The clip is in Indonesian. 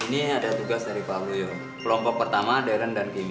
ini ada tugas dari pak luyo pelompok pertama darren dan gemi